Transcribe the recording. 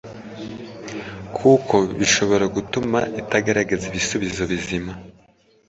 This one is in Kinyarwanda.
kuko bishobora gutuma itagaragaza ibisubizo bizima